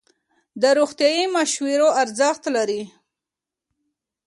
روغتیایي مشوره ارزښت لري.